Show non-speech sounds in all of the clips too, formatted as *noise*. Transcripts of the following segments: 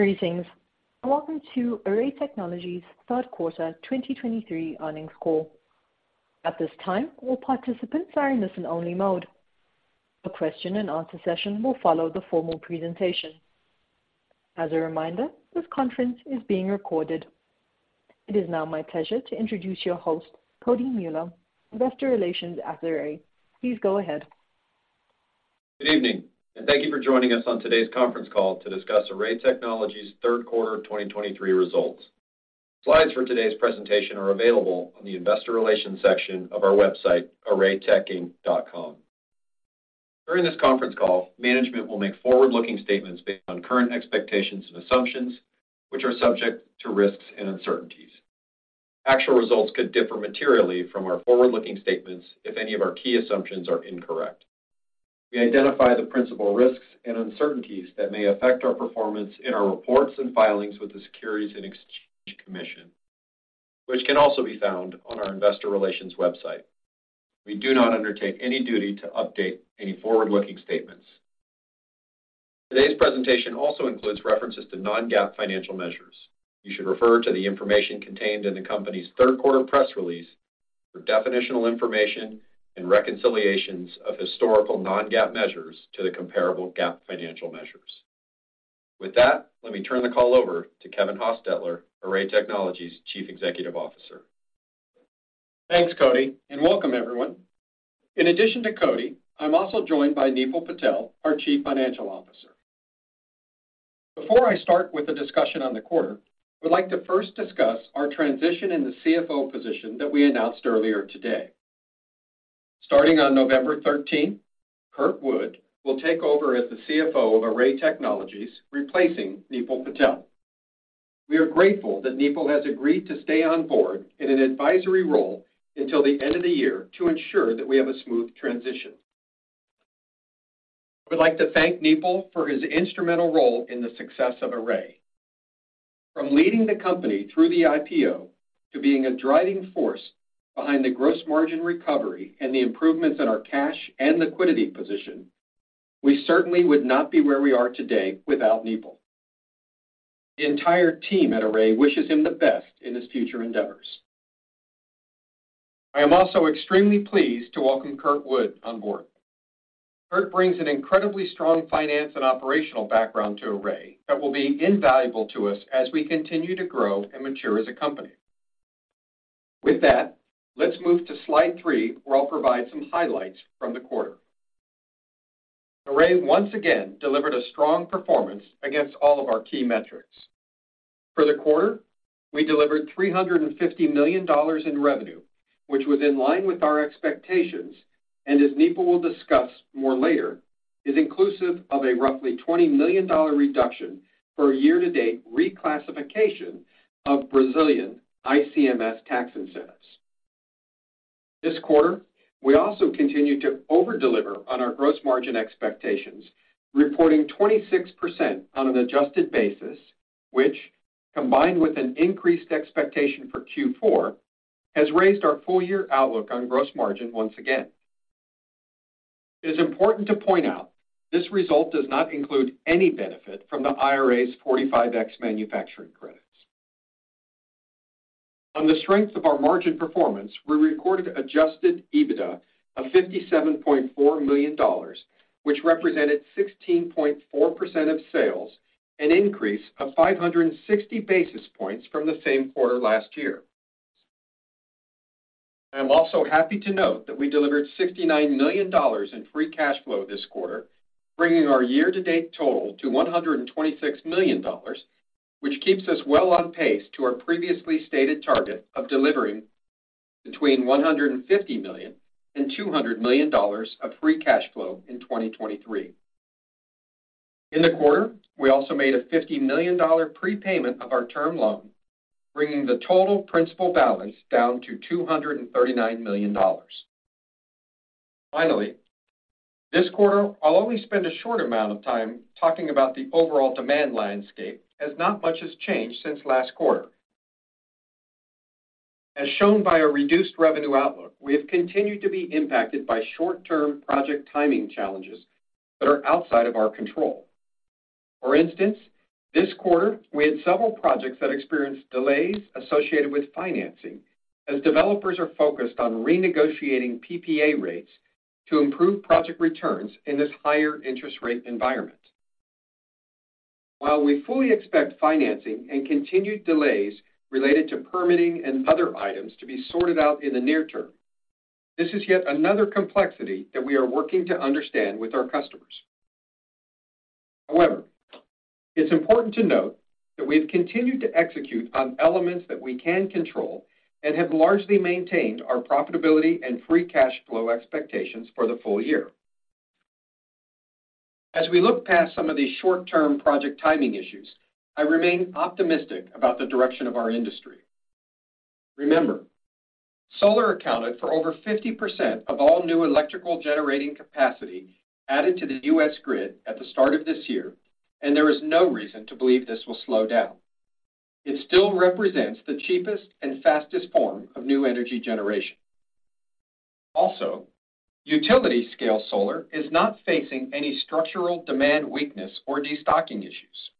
Greetings, and welcome to Array Technologies' Q3 2023 earnings call. At this time, all participants are in listen-only mode. A question-and-answer session will follow the formal presentation. As a reminder, this conference is being recorded. It is now my pleasure to introduce your host, Cody Mueller, Investor Relations at Array. Please go ahead. Good evening, and thank you for joining us on today's conference call to discuss Array Technologies' Q3 2023 results. Slides for today's presentation are available on the investor relations section of our website, arraytechinc.com. During this conference call, management will make forward-looking statements based on current expectations and assumptions, which are subject to risks and uncertainties. Actual results could differ materially from our forward-looking statements if any of our key assumptions are incorrect. We identify the principal risks and uncertainties that may affect our performance in our reports and filings with the Securities and Exchange Commission, which can also be found on our investor relations website. We do not undertake any duty to update any forward-looking statements. Today's presentation also includes references to non-GAAP financial measures. You should refer to the information contained in the company's Q3 press release for definitional information and reconciliations of historical non-GAAP measures to the comparable GAAP financial measures. With that, let me turn the call over to Kevin Hostetler, Array Technologies' CEO. Thanks, Cody, and welcome everyone. In addition to Cody, I'm also joined by Nipul Patel, our Chief Financial Officer. Before I start with the discussion on the quarter, I would like to first discuss our transition in the CFO position that we announced earlier today. Starting on November 13th, Kurt Wood will take over as the CFO of Array Technologies, replacing Nipul Patel. We are grateful that Nipul has agreed to stay on board in an advisory role until the end of the year to ensure that we have a smooth transition. We'd like to thank Nipul for his instrumental role in the success of Array. From leading the company through the IPO, to being a driving force behind the gross margin recovery and the improvements in our cash and liquidity position, we certainly would not be where we are today without Nipul. The entire team at Array wishes him the best in his future endeavors. I am also extremely pleased to welcome Kurt Wood on board. Kurt brings an incredibly strong finance and operational background to Array that will be invaluable to us as we continue to grow and mature as a company. With that, let's move to slide three, where I'll provide some highlights from the quarter. Array once again delivered a strong performance against all of our key metrics. For the quarter, we delivered $350 million in revenue, which was in line with our expectations, and as Nipul will discuss more later, is inclusive of a roughly $20 million reduction for a year-to-date reclassification of Brazilian ICMS tax incentives. This quarter, we also continued to over-deliver on our gross margin expectations, reporting 26% on an adjusted basis, which, combined with an increased expectation for Q4, has raised our full-year outlook on gross margin once again. It is important to point out this result does not include any benefit from the IRA's 45X manufacturing credits. On the strength of our margin performance, we recorded adjusted EBITDA of $57.4 million, which represented 16.4% of sales, an increase of 560 basis points from the same quarter last year. I'm also happy to note that we delivered $69 million in free cash flow this quarter, bringing our year-to-date total to $126 million, which keeps us well on pace to our previously stated target of delivering between $150 million and $200 million of free cash flow in 2023. In the quarter, we also made a $50 million prepayment of our term loan, bringing the total principal balance down to $239 million. Finally, this quarter, I'll only spend a short amount of time talking about the overall demand landscape, as not much has changed since last quarter. As shown by a reduced revenue outlook, we have continued to be impacted by short-term project timing challenges that are outside of our control. For instance, this quarter, we had several projects that experienced delays associated with financing, as developers are focused on renegotiating PPA rates to improve project returns in this higher interest rate environment. While we fully expect financing and continued delays related to permitting and other items to be sorted out in the near term, this is yet another complexity that we are working to understand with our customers. However, it's important to note that we have continued to execute on elements that we can control and have largely maintained our profitability and free cash flow expectations for the full year. As we look past some of these short-term project timing issues, I remain optimistic about the direction of our industry. Remember, solar accounted for over 50% of all new electrical generating capacity added to the US grid at the start of this year, and there is no reason to believe this will slow down. It still represents the cheapest and fastest form of new energy generation. Also, utility-scale solar is not facing any structural demand weakness or destocking issues.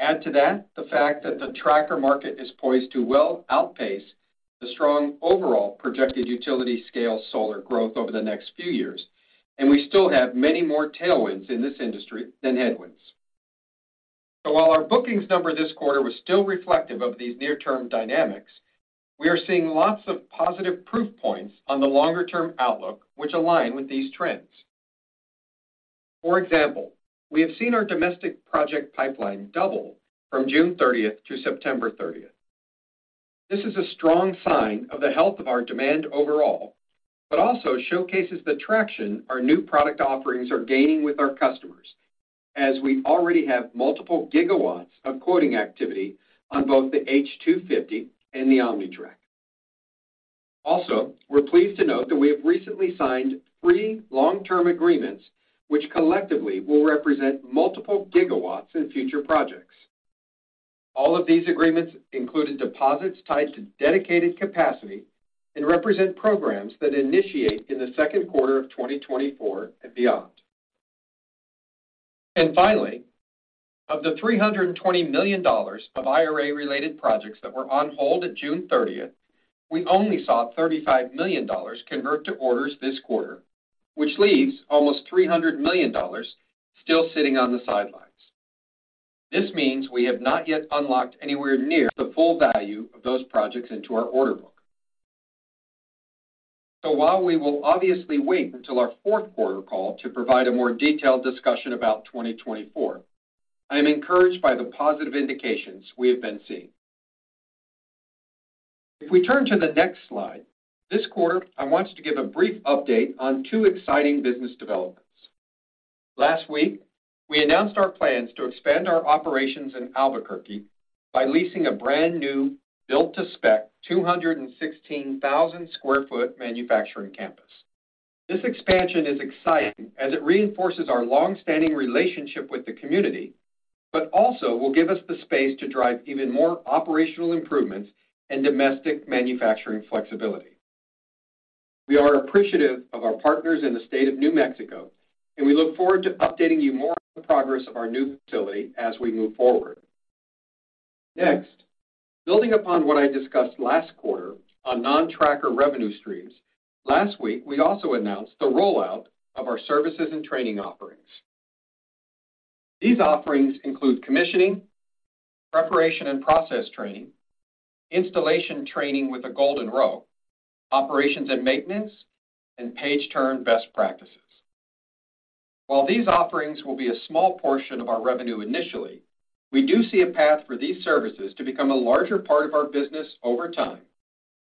Add to that, the fact that the tracker market is poised to well outpace the strong overall projected utility-scale solar growth over the next few years, and we still have many more tailwinds in this industry than headwinds. So while our bookings number this quarter was still reflective of these near-term dynamics, we are seeing lots of positive proof points on the longer-term outlook, which align with these trends. For example, we have seen our domestic project pipeline double from June 30th to September 30th. This is a strong sign of the health of our demand overall, but also showcases the traction our new product offerings are gaining with our customers, as we already have multiple gigawatts of quoting activity on both the H250 and the OmniTrack. Also, we're pleased to note that we have recently signed three long-term agreements, which collectively will represent multiple gigawatts in future projects. All of these agreements included deposits tied to dedicated capacity and represent programs that initiate in the Q2 of 2024 and beyond. And finally, of the $320 million of IRA-related projects that were on hold at June 30th, we only saw $35 million convert to orders this quarter, which leaves almost $300 million still sitting on the sidelines. This means we have not yet unlocked anywhere near the full value of those projects into our order book. So while we will obviously wait until our Q4 call to provide a more detailed discussion about 2024, I am encouraged by the positive indications we have been seeing. If we turn to the next slide, this quarter, I want to give a brief update on two exciting business developments. Last week, we announced our plans to expand our operations in Albuquerque by leasing a brand-new, built-to-spec, 216,000 sq ft manufacturing campus. This expansion is exciting as it reinforces our long-standing relationship with the community, but also will give us the space to drive even more operational improvements and domestic manufacturing flexibility. We are appreciative of our partners in the state of New Mexico, and we look forward to updating you more on the progress of our new facility as we move forward. Next, building upon what I discussed last quarter on non-tracker revenue streams, last week, we also announced the rollout of our services and training offerings. These offerings include commissioning, preparation and process training, installation training with a Golden Row, operations and maintenance, and page turn best practices. While these offerings will be a small portion of our revenue initially, we do see a path for these services to become a larger part of our business over time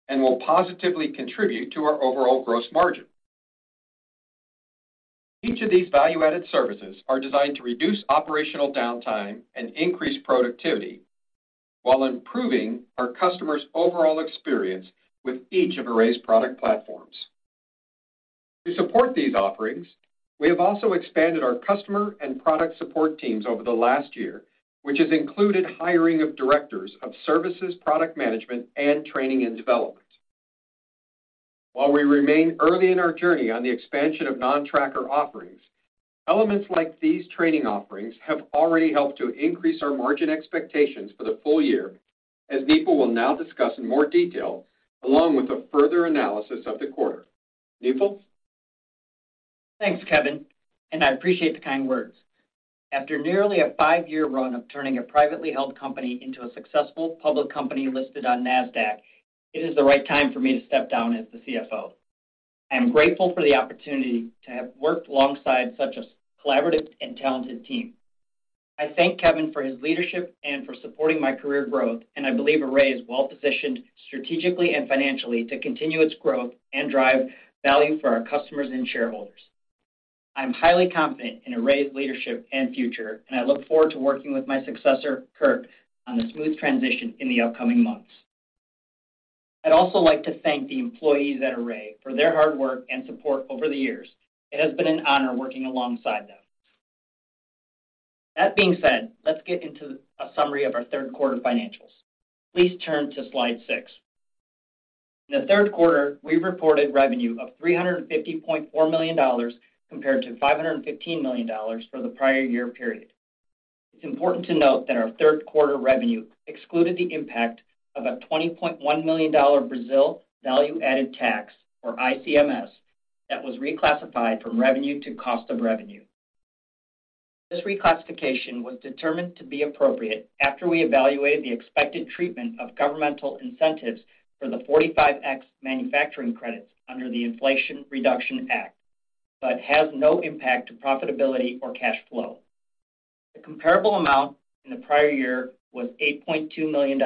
and will positively contribute to our overall gross margin. Each of these value-added services are designed to reduce operational downtime and increase productivity while improving our customers' overall experience with each of Array's product platforms. To support these offerings, we have also expanded our customer and product support teams over the last year, which has included hiring of directors of services, product management, and training and development. While we remain early in our journey on the expansion of non-tracker offerings, elements like these training offerings have already helped to increase our margin expectations for the full year, as Nipul will now discuss in more detail, along with a further analysis of the quarter. Nipul? Thanks, Kevin, and I appreciate the kind words. After nearly a five-year run of turning a privately held company into a successful public company listed on Nasdaq, it is the right time for me to step down as the CFO. I am grateful for the opportunity to have worked alongside such a collaborative and talented team. I thank Kevin for his leadership and for supporting my career growth, and I believe Array is well-positioned, strategically and financially, to continue its growth and drive value for our customers and shareholders. I'm highly confident in Array's leadership and future, and I look forward to working with my successor, Kurt, on the smooth transition in the upcoming months. I'd also like to thank the employees at Array for their hard work and support over the years. It has been an honor working alongside them. That being said, let's get into a summary of our Q3 financials. Please turn to slide six. In the Q3, we reported revenue of $350.4 million, compared to $515 million for the prior year period. It's important to note that our Q3 revenue excluded the impact of a $20.1 million Brazil value-added tax, or ICMS, that was reclassified from revenue to cost of revenue. This reclassification was determined to be appropriate after we evaluated the expected treatment of governmental incentives for the 45X manufacturing credits under the Inflation Reduction Act, but has no impact to profitability or cash flow. The comparable amount in the prior year was $8.2 million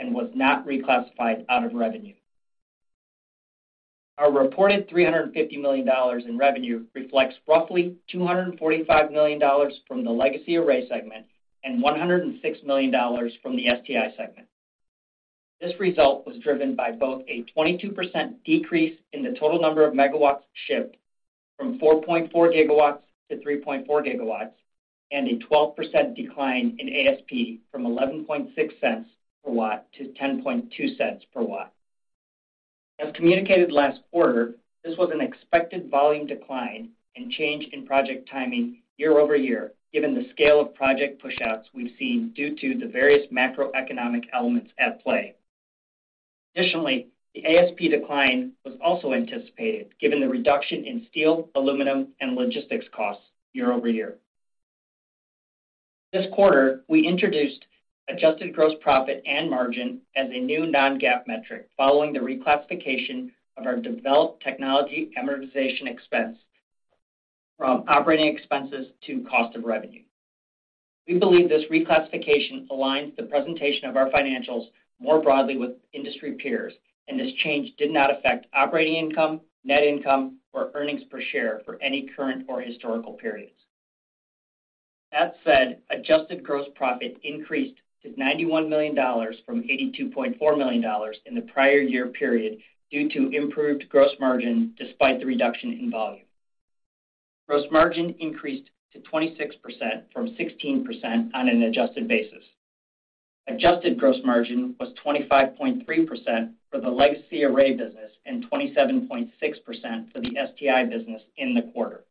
and was not reclassified out of revenue. Our reported $350 million in revenue reflects roughly $245 million from the legacy Array segment and $106 million from the STI segment. This result was driven by both a 22% decrease in the total number of megawatts shipped from 4.4 GW to 3.4 GW, and a 12% decline in ASP from $0.116 per watt to $0.102 per watt. As communicated last quarter, this was an expected volume decline and change in project timing year-over-year, given the scale of project pushouts we've seen due to the various macroeconomic elements at play. Additionally, the ASP decline was also anticipated, given the reduction in steel, aluminum, and logistics costs year-over-year. This quarter, we introduced adjusted gross profit and margin as a new non-GAAP metric, following the reclassification of our developed technology amortization expense from operating expenses to cost of revenue. We believe this reclassification aligns the presentation of our financials more broadly with industry peers, and this change did not affect operating income, net income, or earnings per share for any current or historical periods. That said, adjusted gross profit increased to $91 million from $82.4 million in the prior year period due to improved gross margin, despite the reduction in volume. Gross margin increased to 26% from 16% on an adjusted basis. Adjusted gross margin was 25.3% for the Legacy Array business and 27.6% for the STI business in the quarter.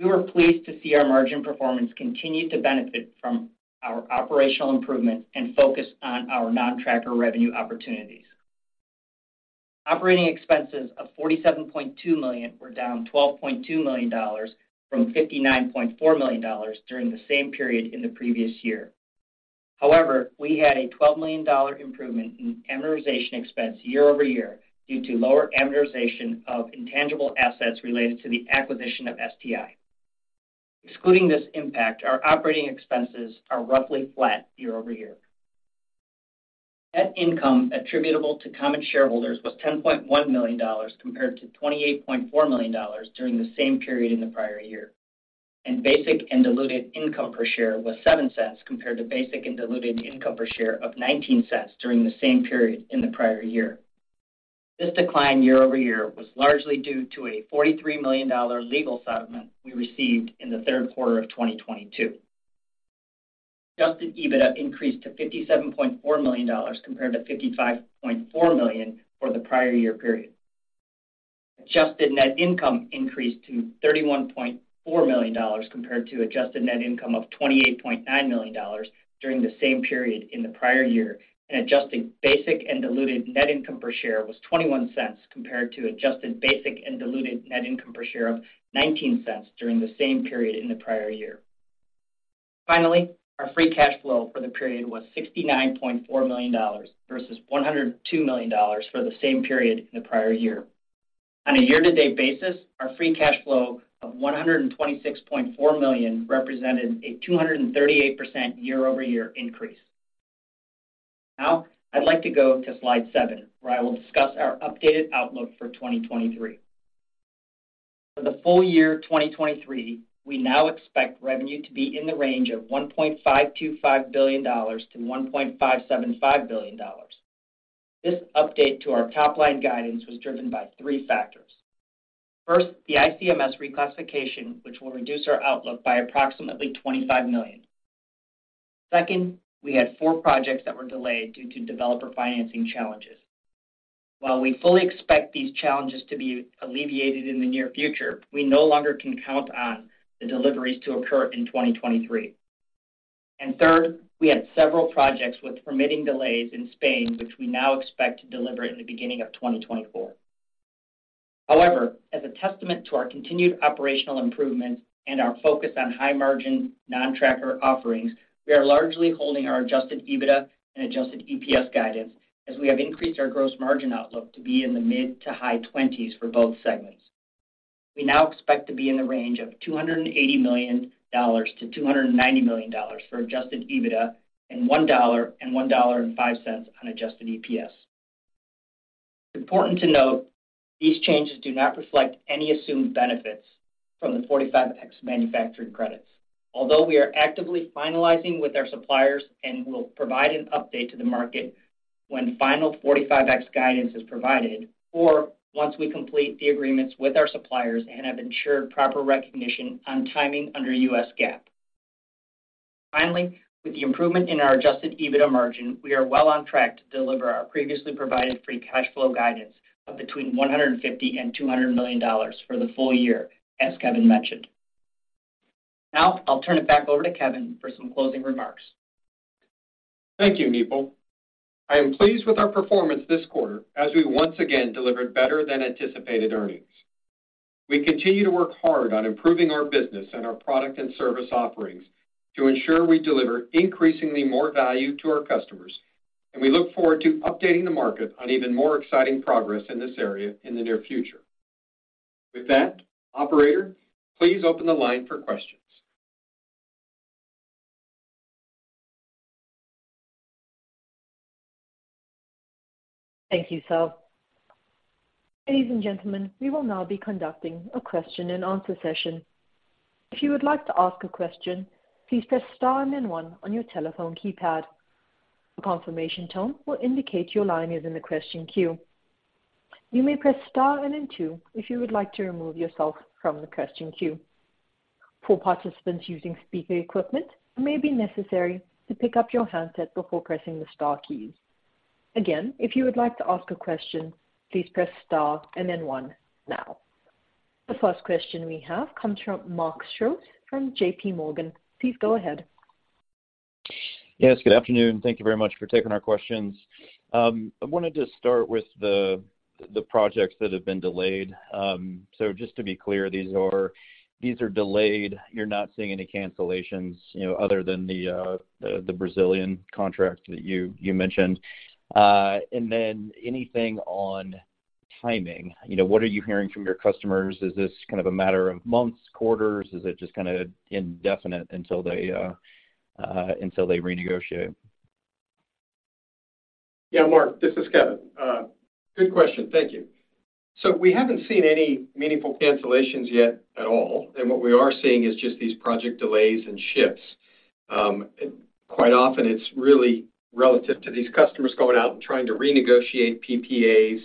We were pleased to see our margin performance continue to benefit from our operational improvement and focus on our non-tracker revenue opportunities. Operating expenses of $47.2 million were down $12.2 million from $59.4 million during the same period in the previous year. However, we had a $12 million improvement in amortization expense year-over-year due to lower amortization of intangible assets related to the acquisition of STI. Excluding this impact, our operating expenses are roughly flat year-over-year. Net income attributable to common shareholders was $10.1 million, compared to $28.4 million during the same period in the prior year, and basic and diluted income per share was $0.07, compared to basic and diluted income per share of $0.19 during the same period in the prior year. This decline year-over-year was largely due to a $43 million legal settlement we received in the Q3 of 2022. Adjusted EBITDA increased to $57.4 million, compared to $55.4 million for the prior year period. Adjusted net income increased to $31.4 million, compared to adjusted net income of $28.9 million during the same period in the prior year, and adjusted basic and diluted net income per share was $0.21, compared to adjusted basic and diluted net income per share of $0.19 during the same period in the prior year. Finally, our free cash flow for the period was $69.4 million, versus $102 million for the same period in the prior year. On a year-to-date basis, our free cash flow of $126.4 million represented a 238% year-over-year increase. Now, I'd like to go to slide seven, where I will discuss our updated outlook for 2023. For the full year 2023, we now expect revenue to be in the range of $1.525 billion-$1.575 billion. This update to our top-line guidance was driven by three factors. First, the ICMS reclassification, which will reduce our outlook by approximately $25 million. Second, we had four projects that were delayed due to developer financing challenges. While we fully expect these challenges to be alleviated in the near future, we no longer can count on the deliveries to occur in 2023. Third, we had several projects with permitting delays in Spain, which we now expect to deliver in the beginning of 2024. However, as a testament to our continued operational improvement and our focus on high-margin non-tracker offerings, we are largely holding our Adjusted EBITDA and adjusted EPS guidance, as we have increased our gross margin outlook to be in the mid- to high-20s% for both segments. We now expect to be in the range of $280 million-$290 million for Adjusted EBITDA and $1-$1.05 on adjusted EPS. It's important to note, these changes do not reflect any assumed benefits from the 45X Manufacturing Credits, although we are actively finalizing with our suppliers and will provide an update to the market when final 45X guidance is provided, or once we complete the agreements with our suppliers and have ensured proper recognition on timing under US GAAP. Finally, with the improvement in our Adjusted EBITDA margin, we are well on track to deliver our previously provided free cash flow guidance of between $150 million and $200 million for the full year, as Kevin mentioned. Now, I'll turn it back over to Kevin for some closing remarks. Thank you, Nipul. I am pleased with our performance this quarter, as we once again delivered better-than-anticipated earnings. We continue to work hard on improving our business and our product and service offerings to ensure we deliver increasingly more value to our customers, and we look forward to updating the market on even more exciting progress in this area in the near future. With that, operator, please open the line for questions. Thank you, Sal. Ladies and gentlemen, we will now be conducting a question-and-answer session. If you would like to ask a question, please press star and then one on your telephone keypad.... A confirmation tone will indicate your line is in the question queue. You may press star and then two if you would like to remove yourself from the question queue. For participants using speaker equipment, it may be necessary to pick up your handset before pressing the star keys. Again, if you would like to ask a question, please press star and then one now. The first question we have comes from Mark Strouse from JP Morgan. Please go ahead. Yes, good afternoon. Thank you very much for taking our questions. I wanted to start with the projects that have been delayed. So just to be clear, these are delayed. You're not seeing any cancellations, you know, other than the Brazilian contract that you mentioned. And then anything on timing? You know, what are you hearing from your customers? Is this kind of a matter of months, quarters? Is it just kinda indefinite until they renegotiate? Yeah, Mark, this is Kevin. Good question. Thank you. So we haven't seen any meaningful cancellations yet at all, and what we are seeing is just these project delays and shifts. Quite often it's really relative to these customers going out and trying to renegotiate PPAs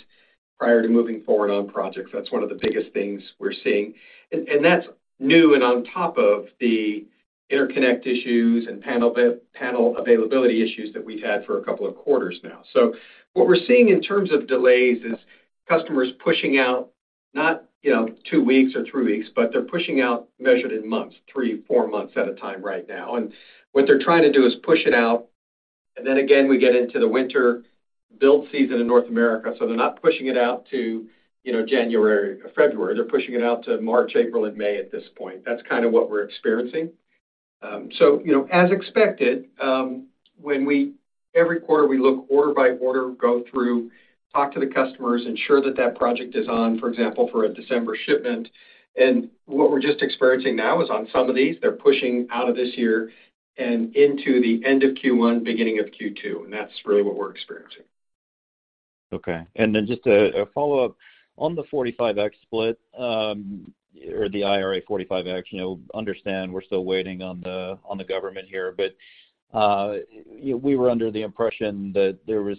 prior to moving forward on projects. That's one of the biggest things we're seeing. And that's new and on top of the interconnect issues and panel availability issues that we've had for a couple of quarters now. So what we're seeing in terms of delays is customers pushing out not, you know, two weeks or three weeks, but they're pushing out measured in months, three, four months at a time right now. And what they're trying to do is push it out, and then again, we get into the winter build season in North America, so they're not pushing it out to, you know, January or February. They're pushing it out to March, April, and May at this point. That's kind of what we're experiencing. So, you know, as expected, every quarter, we look order by order, go through, talk to the customers, ensure that that project is on, for example, for a December shipment. And what we're just experiencing now is on some of these, they're pushing out of this year and into the end of Q1, beginning of Q2, and that's really what we're experiencing. Okay. And then just a follow-up. On the 45X split, or the IRA 45X, you know, understand we're still waiting on the government here, but, you know, we were under the impression that there was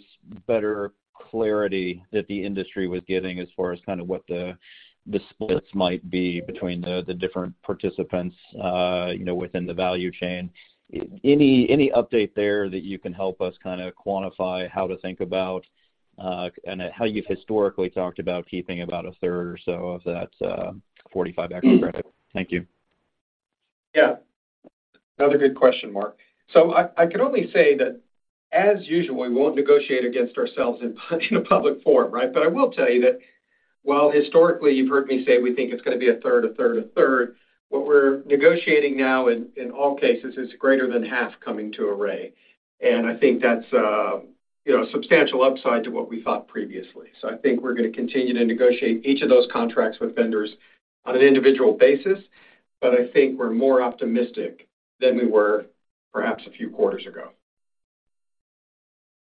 better clarity that the industry was getting as far as kind of what the splits might be between the different participants, you know, within the value chain. Any update there that you can help us kinda quantify how to think about, and how you've historically talked about keeping about a third or so of that 45X credit? Thank you. Yeah. Another good question, Mark. So I can only say that, as usual, we won't negotiate against ourselves in a public forum, right? But I will tell you that while historically you've heard me say we think it's gonna be a third, a third, a third, what we're negotiating now in all cases is greater than half coming to array. And I think that's, you know, substantial upside to what we thought previously. So I think we're gonna continue to negotiate each of those contracts with vendors on an individual basis, but I think we're more optimistic than we were perhaps a few quarters ago.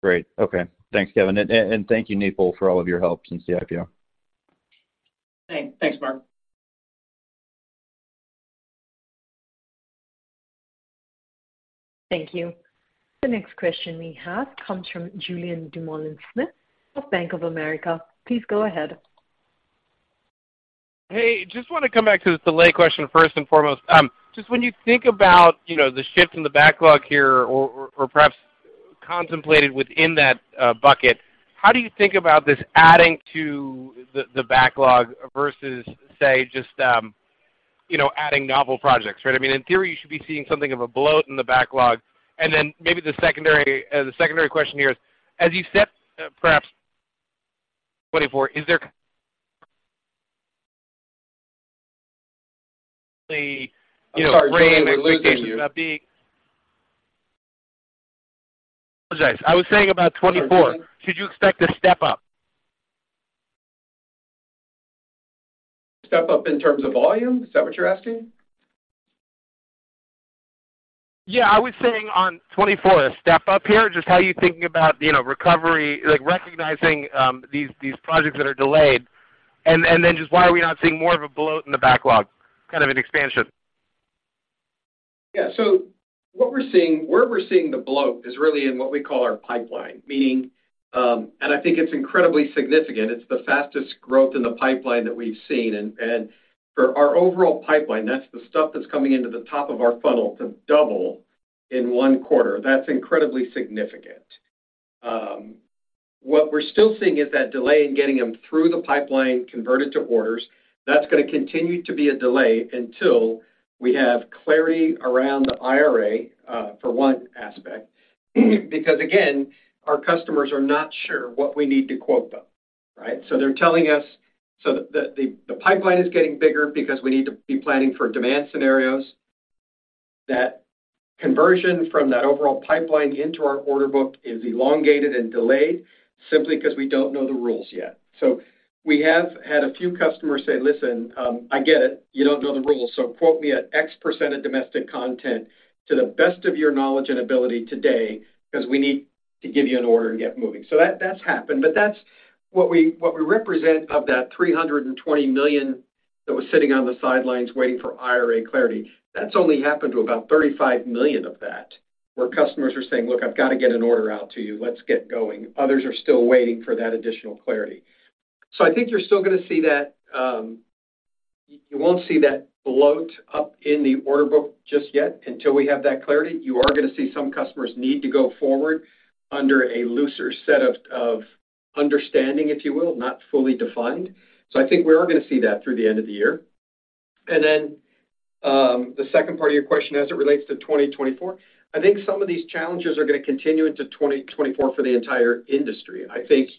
Great. Okay. Thanks, Kevin, and thank you, Nipul, for all of your help since IPO. Thanks. Thanks, Mark. Thank you. The next question we have comes from Julien Dumoulin-Smith of Bank of America. Please go ahead. Hey, just wanna come back to the delay question first and foremost. Just when you think about, you know, the shift in the backlog here, or perhaps contemplated within that bucket, how do you think about this adding to the backlog versus, say, just, you know, adding novel projects, right? I mean, in theory, you should be seeing something of a bloat in the backlog. And then maybe the secondary question here is, as you set, perhaps 2024, is there... *unintelligible* Step-up in terms of volume? Is that what you're asking? Yeah, I was saying on 2024, a step-up here, just how you're thinking about, you know, recovery, like, recognizing these projects that are delayed. And then just why are we not seeing more of a bloat in the backlog? Kind of an expansion. Yeah. So what we're seeing where we're seeing the bloat is really in what we call our pipeline, meaning, and I think it's incredibly significant. It's the fastest growth in the pipeline that we've seen. And for our overall pipeline, that's the stuff that's coming into the top of our funnel to double in one quarter. That's incredibly significant. What we're still seeing is that delay in getting them through the pipeline converted to orders. That's gonna continue to be a delay until we have clarity around the IRA, for one aspect. Because, again, our customers are not sure what we need to quote them, right? So they're telling us... So the pipeline is getting bigger because we need to be planning for demand scenarios. That conversion from that overall pipeline into our order book is elongated and delayed simply because we don't know the rules yet. We have had a few customers say: "Listen, I get it. You don't know the rules, so quote me at X% of domestic content to the best of your knowledge and ability today, because we need to give you an order and get moving." That's happened, but that's what we represent of that $320 million that was sitting on the sidelines waiting for IRA clarity. That's only happened to about $35 million of that, where customers are saying, "Look, I've got to get an order out to you. Let's get going." Others are still waiting for that additional clarity. So I think you're still gonna see that, you won't see that bloat up in the order book just yet until we have that clarity. You are gonna see some customers need to go forward under a looser set of, of understanding, if you will, not fully defined. So I think we are gonna see that through the end of the year. And then, the second part of your question as it relates to 2024, I think some of these challenges are gonna continue into 2024 for the entire industry. I think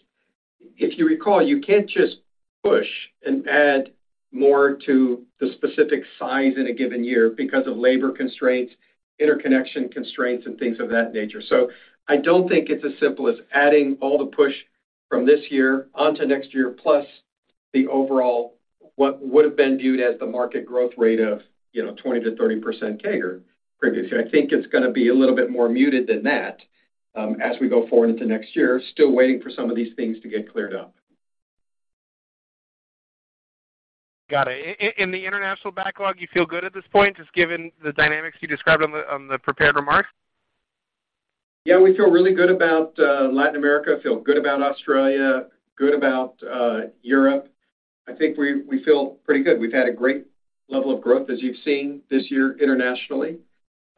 if you recall, you can't just push and add more to the specific size in a given year because of labor constraints, interconnection constraints, and things of that nature. So I don't think it's as simple as adding all the push from this year onto next year, plus the overall, what would have been viewed as the market growth rate of, you know, 20%-30% CAGR previously. I think it's gonna be a little bit more muted than that, as we go forward into next year, still waiting for some of these things to get cleared up. Got it. In the international backlog, you feel good at this point, just given the dynamics you described on the prepared remarks? Yeah, we feel really good about Latin America, feel good about Australia, good about Europe. I think we, we feel pretty good. We've had a great level of growth, as you've seen this year internationally,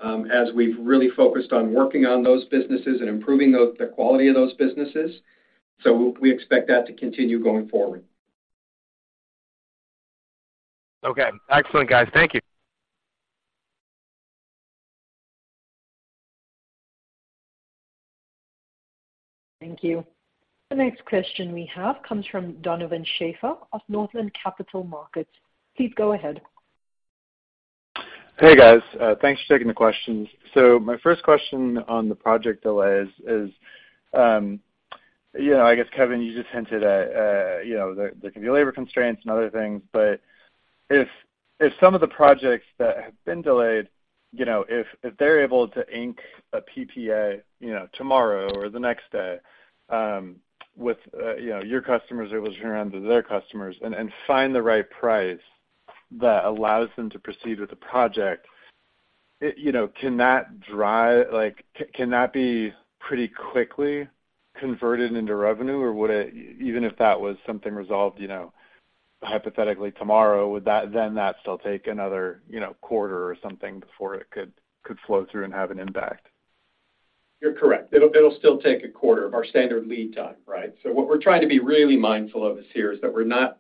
as we've really focused on working on those businesses and improving the, the quality of those businesses. So we, we expect that to continue going forward. Okay. Excellent, guys. Thank you. Thank you. The next question we have comes from Donovan Schafer of Northland Capital Markets. Please go ahead. Hey, guys, thanks for taking the questions. So my first question on the project delays is, you know, I guess, Kevin, you just hinted at, you know, there can be labor constraints and other things, but if some of the projects that have been delayed, you know, if they're able to ink a PPA, you know, tomorrow or the next day, with, you know, your customers are able to turn around to their customers and find the right price that allows them to proceed with the project, it, you know, can that drive, like, can that be pretty quickly converted into revenue? Or would it, even if that was something resolved, you know, hypothetically tomorrow, would that then still take another, you know, quarter or something before it could flow through and have an impact? You're correct. It'll, it'll still take a quarter of our standard lead time, right? So what we're trying to be really mindful of this here is that we're not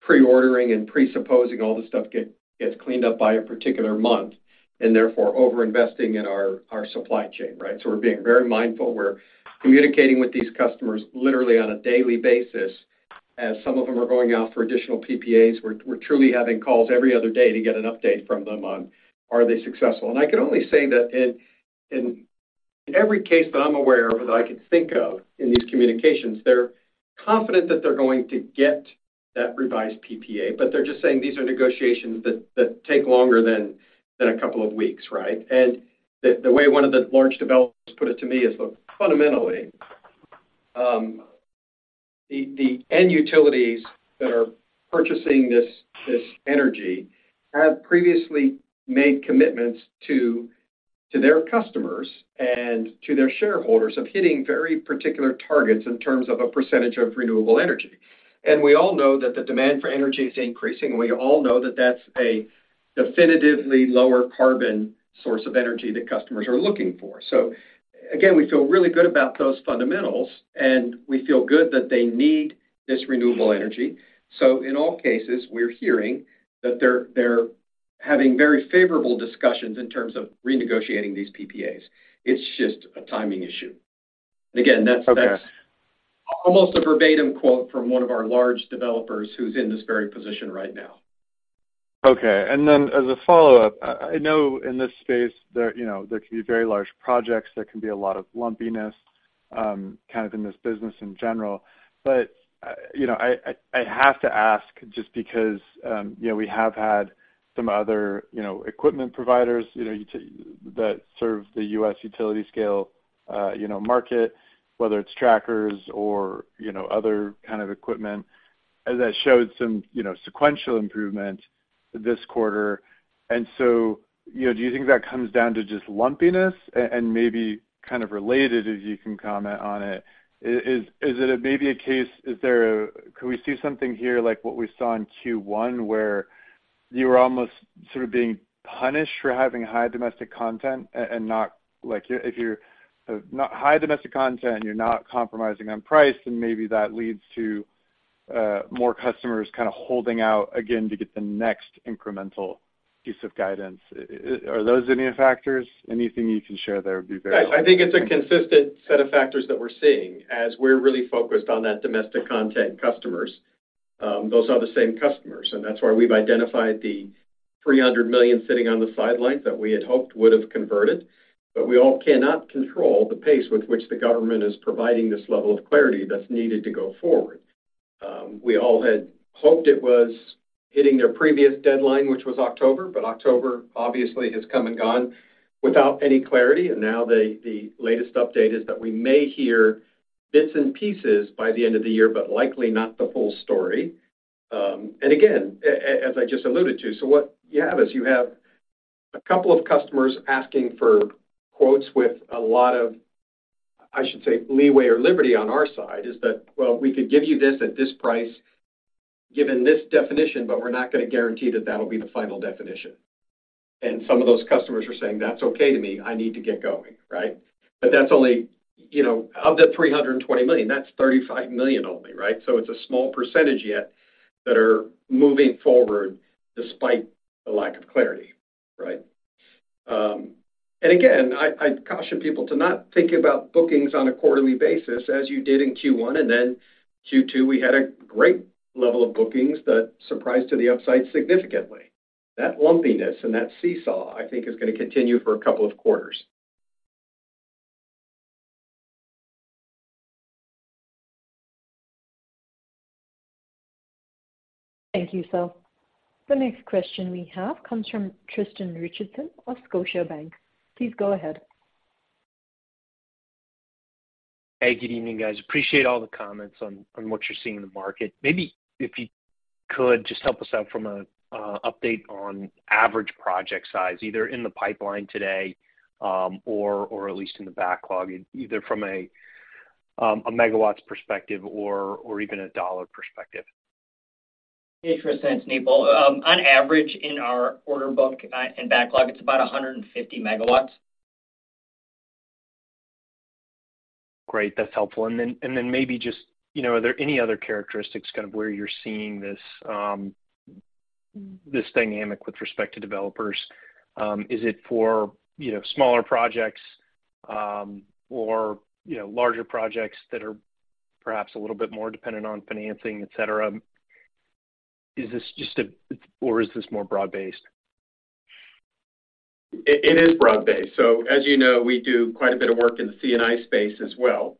pre-ordering and presupposing all this stuff gets cleaned up by a particular month, and therefore, overinvesting in our, our supply chain, right? So we're being very mindful. We're communicating with these customers literally on a daily basis, as some of them are going out for additional PPAs. We're, we're truly having calls every other day to get an update from them on, are they successful? And I can only say that in, in every case that I'm aware of, that I could think of in these communications, they're confident that they're going to get that revised PPA, but they're just saying these are negotiations that, that take longer than, than a couple of weeks, right? And the way one of the large developers put it to me is, look, fundamentally, the end utilities that are purchasing this energy have previously made commitments to their customers and to their shareholders of hitting very particular targets in terms of a percentage of renewable energy. And we all know that the demand for energy is increasing, and we all know that that's a definitively lower carbon source of energy that customers are looking for. So again, we feel really good about those fundamentals, and we feel good that they need this renewable energy. So in all cases, we're hearing that they're having very favorable discussions in terms of renegotiating these PPAs. It's just a timing issue. And again, that's- Okay. almost a verbatim quote from one of our large developers who's in this very position right now. Okay. And then as a follow-up, I know in this space there, you know, there can be very large projects, there can be a lot of lumpiness, kind of in this business in general. But, you know, I have to ask just because, you know, we have had some other, you know, equipment providers, you know, that serve the US utility-scale, you know, market, whether it's trackers or, you know, other kind of equipment, that showed some, you know, sequential improvement this quarter. And so, you know, do you think that comes down to just lumpiness and maybe kind of related, if you can comment on it? Is it maybe a case where we could see something here like what we saw in Q1, where you were almost sort of being punished for having high domestic content and not—like, if you're not high domestic content, you're not compromising on price, then maybe that leads to more customers kind of holding out again to get the next incremental piece of guidance. Are those any of factors? Anything you can share there would be very- I think it's a consistent set of factors that we're seeing as we're really focused on that domestic content customers. Those are the same customers, and that's why we've identified the $300 million sitting on the sidelines that we had hoped would have converted, but we all cannot control the pace with which the government is providing this level of clarity that's needed to go forward. We all had hoped it was hitting their previous deadline, which was October, but October obviously has come and gone without any clarity, and now the latest update is that we may hear bits and pieces by the end of the year, but likely not the full story. And again, as I just alluded to, so what you have is you have a couple of customers asking for quotes with a lot of, I should say, leeway or liberty on our side, is that, well, we could give you this at this price, given this definition, but we're not gonna guarantee that that'll be the final definition. And some of those customers are saying, "That's okay to me. I need to get going," right? But that's only, you know, of the $320 million, that's $35 million only, right? So it's a small percentage yet that are moving forward despite the lack of clarity, right? And again, I'd caution people to not think about bookings on a quarterly basis as you did in Q1, and then Q2, we had a great level of bookings that surprised to the upside significantly. That lumpiness and that seesaw, I think, is gonna continue for a couple of quarters. Thank you, sir. The next question we have comes from Tristan Richardson of Scotiabank. Please go ahead. Hey, good evening, guys. Appreciate all the comments on, on what you're seeing in the market. Maybe if you could just help us out from a, a, update on average project size, either in the pipeline today, or, or at least in the backlog, either from a, a MW perspective or, or even a dollar perspective. Hey, Tristan, it's Nipul. On average, in our order book and backlog, it's about 150 MW. Great, that's helpful. And then, and then maybe just, you know, are there any other characteristics kind of where you're seeing this, this dynamic with respect to developers? Is it for, you know, smaller projects, or, you know, larger projects that are perhaps a little bit more dependent on financing, et cetera? Is this just a-- or is this more broad-based? It is broad-based. So, as you know, we do quite a bit of work in the C&I space as well.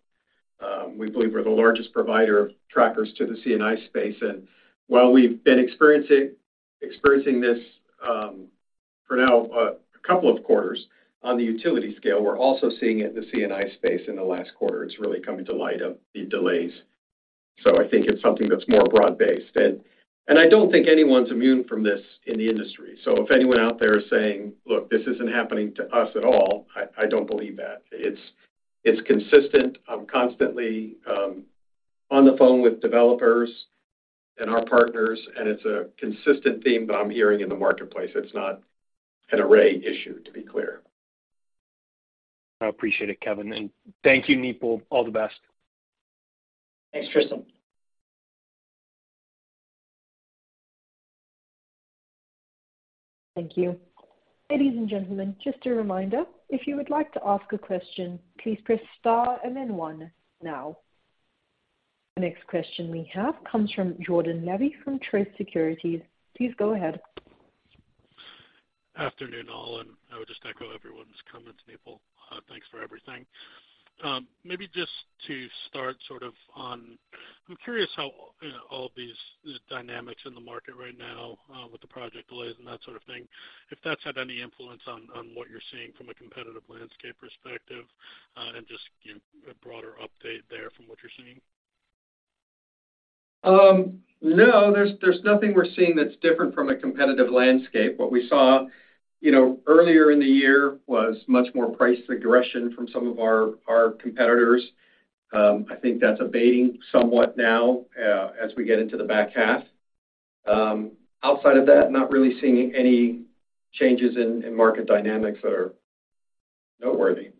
We believe we're the largest provider of trackers to the C&I space, and while we've been experiencing this for now, a couple of quarters on the utility scale, we're also seeing it in the C&I space in the last quarter. It's really coming to light of the delays. So I think it's something that's more broad-based. And I don't think anyone's immune from this in the industry. So if anyone out there is saying, "Look, this isn't happening to us at all," I don't believe that. It's consistent. I'm constantly on the phone with developers and our partners, and it's a consistent theme that I'm hearing in the marketplace. It's not an Array issue, to be clear. I appreciate it, Kevin. Thank you, Nipul. All the best. Thanks, Tristan. Thank you. Ladies and gentlemen, just a reminder, if you would like to ask a question, please press star and then one now. The next question we have comes from Jordan Levy from Truist Securities. Please go ahead. Afternoon, all, and I would just echo everyone's comments, Nipul. Thanks for everything. Maybe just to start sort of on... I'm curious how, you know, all of these dynamics in the market right now, with the project delays and that sort of thing, if that's had any influence on what you're seeing from a competitive landscape perspective, and just give a broader update there from what you're seeing. No, there's nothing we're seeing that's different from a competitive landscape. What we saw, you know, earlier in the year was much more price aggression from some of our competitors. I think that's abating somewhat now, as we get into the back half. Outside of that, not really seeing any changes in market dynamics that are noteworthy.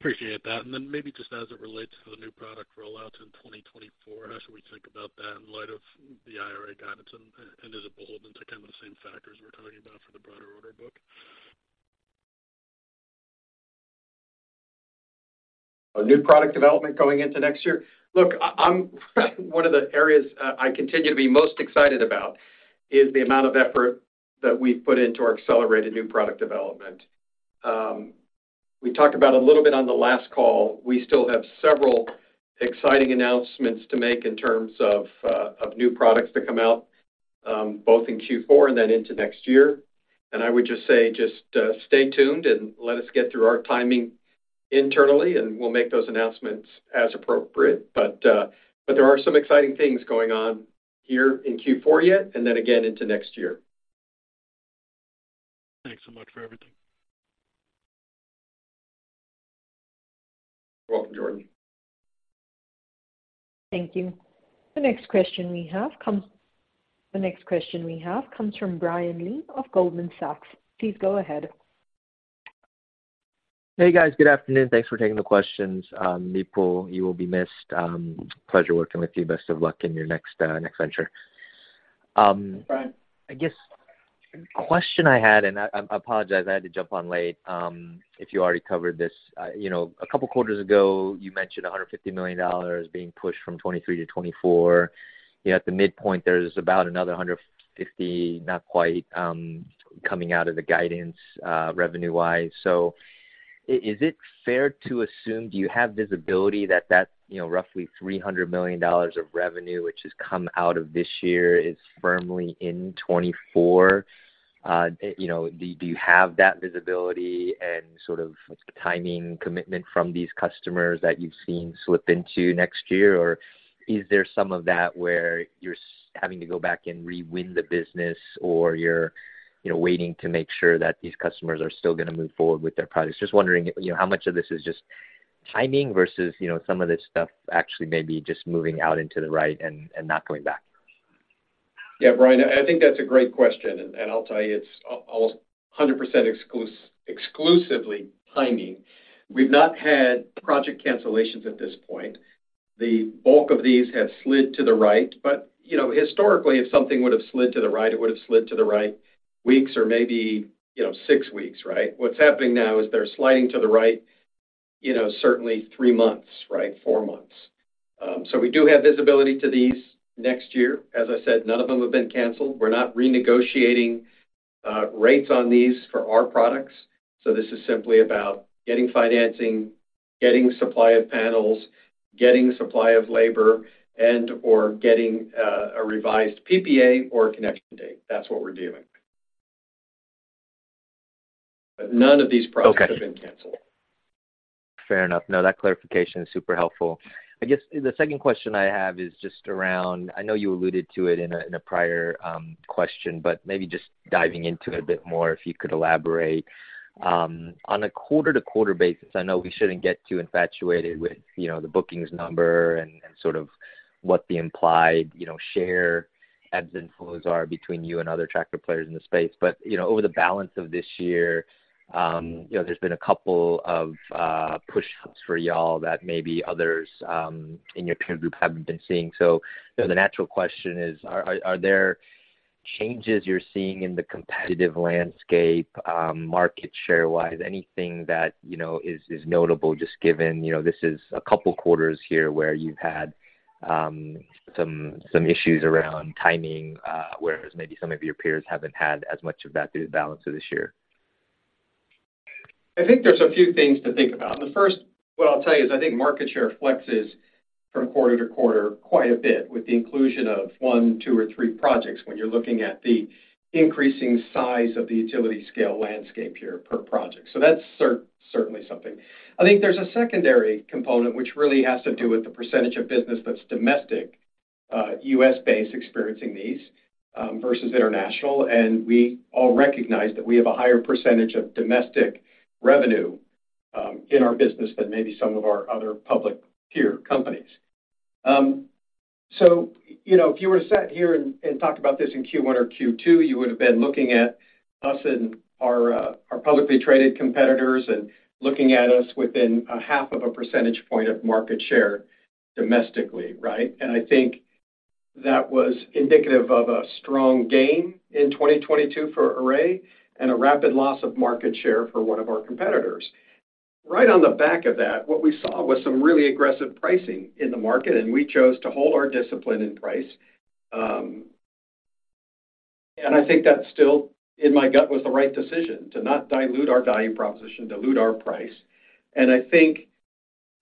Appreciate that. And then maybe just as it relates to the new product rollouts in 2024, how should we think about that in light of the IRA guidance, and, and is it beholden to kind of the same factors we're talking about for the broader order book? A new product development going into next year? Look, I'm one of the areas I continue to be most excited about is the amount of effort that we've put into our accelerated new product development. We talked about a little bit on the last call. We still have several exciting announcements to make in terms of of new products to come out, both in Q4 and then into next year. And I would just say, just stay tuned and let us get through our timing internally, and we'll make those announcements as appropriate. But, but there are some exciting things going on here in Q4 yet, and then again into next year. Thanks so much for everything. You're welcome, Jordan. Thank you. The next question we have comes from Brian Lee of Goldman Sachs. Please go ahead. Hey, guys. Good afternoon. Thanks for taking the questions. Nipul, you will be missed. Pleasure working with you. Best of luck in your next venture. Brian. I guess the question I had, and I apologize, I had to jump on late, if you already covered this. You know, a couple of quarters ago, you mentioned $150 million being pushed from 2023 to 2024. Yet at the midpoint, there's about another $150, not quite, coming out of the guidance, revenue-wise. So... Is it fair to assume, do you have visibility that that, you know, roughly $300 million of revenue, which has come out of this year, is firmly in 2024? You know, do you have that visibility and sort of timing commitment from these customers that you've seen slip into next year? Or is there some of that where you're having to go back and re-win the business, or you're, you know, waiting to make sure that these customers are still gonna move forward with their products? Just wondering, you know, how much of this is just timing versus, you know, some of this stuff actually maybe just moving out into the right and, and not going back? Yeah, Brian, I think that's a great question, and I'll tell you, it's almost 100% exclusively timing. We've not had project cancellations at this point. The bulk of these have slid to the right, but, you know, historically, if something would have slid to the right, it would have slid to the right, weeks or maybe, you know, six weeks, right? What's happening now is they're sliding to the right, you know, certainly three months, right? Four months. So we do have visibility to these next year. As I said, none of them have been canceled. We're not renegotiating rates on these for our products. So this is simply about getting financing, getting supply of panels, getting supply of labor, and/or getting a revised PPA or a connection date. That's what we're doing. But none of these projects- Okay. *unintelligible* Fair enough. No, that clarification is super helpful. I guess the second question I have is just around. I know you alluded to it in a prior question, but maybe just diving into it a bit more, if you could elaborate. On a quarter-to-quarter basis, I know we shouldn't get too infatuated with, you know, the bookings number and sort of what the implied, you know, share ebbs and flows are between you and other tracker players in the space. But, you know, over the balance of this year, you know, there's been a couple of pushouts for y'all that maybe others in your peer group haven't been seeing. So the natural question is, are there changes you're seeing in the competitive landscape, market share-wise, anything that you know, is notable, just given, you know, this is a couple quarters here where you've had some issues around timing, whereas maybe some of your peers haven't had as much of that through the balance of this year? I think there's a few things to think about. The first, what I'll tell you, is I think market share flexes from quarter to quarter quite a bit with the inclusion of one, two, or three projects when you're looking at the increasing size of the utility-scale landscape here per project. So that's certainly something. I think there's a secondary component, which really has to do with the percentage of business that's domestic, US-based, experiencing these, versus international. And we all recognize that we have a higher percentage of domestic revenue, in our business than maybe some of our other public peer companies. So, you know, if you were to sit here and talk about this in Q1 or Q2, you would have been looking at us and our publicly traded competitors, and looking at us within 0.5 percentage points of market share domestically, right? I think that was indicative of a strong gain in 2022 for Array and a rapid loss of market share for one of our competitors. Right on the back of that, what we saw was some really aggressive pricing in the market, and we chose to hold our discipline in price. And I think that still, in my gut, was the right decision, to not dilute our value proposition, dilute our price, and I think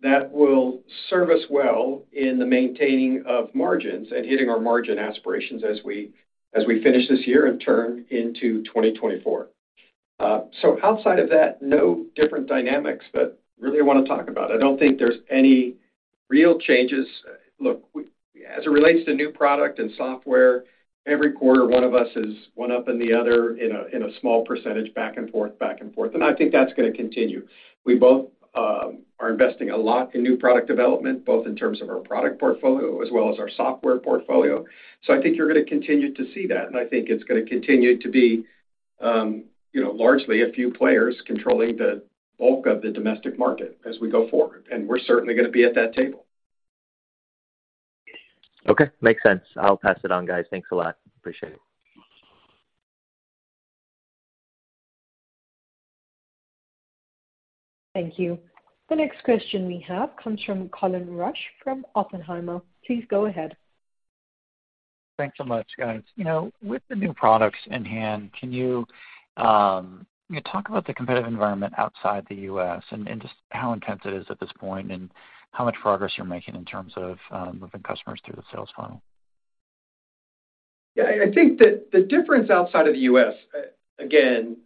that will serve us well in the maintaining of margins and hitting our margin aspirations as we, as we finish this year and turn into 2024. So outside of that, no different dynamics that really I want to talk about. I don't think there's any real changes. Look, as it relates to new product and software, every quarter, one of us is one up and the other in a, in a small percentage, back and forth, back and forth, and I think that's gonna continue. We both are investing a lot in new product development, both in terms of our product portfolio as well as our software portfolio. So I think you're gonna continue to see that, and I think it's gonna continue to be, you know, largely a few players controlling the bulk of the domestic market as we go forward, and we're certainly gonna be at that table. Okay, makes sense. I'll pass it on, guys. Thanks a lot. Appreciate it. Thank you. The next question we have comes from Colin Rusch, from Oppenheimer. Please go ahead. Thanks so much, guys. You know, with the new products in hand, can you talk about the competitive environment outside the U.S. and just how intense it is at this point, and how much progress you're making in terms of moving customers through the sales funnel? Yeah, I think that the difference outside of the US, again,